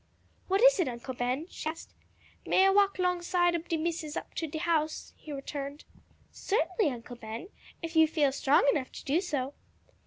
"What is it, Uncle Ben?" she asked. "May I walk 'longside ob de Missus up to de house?" he returned. "Certainly, Uncle Ben, if you feel strong enough to do so."